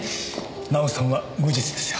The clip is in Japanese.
奈緒さんは無実ですよ。